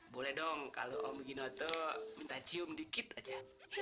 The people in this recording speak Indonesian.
boleh dong kalau om ginoto minta cium dikit aja